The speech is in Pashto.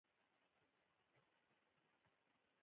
د فرانسې فعالیتونو څارنه کوله.